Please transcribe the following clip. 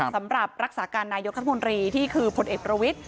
สำหรับรักษาการนายกรัฐมนตรีที่คือผลเอกประวิทธิ